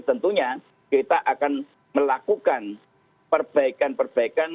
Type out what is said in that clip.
tentunya kita akan melakukan perbaikan perbaikan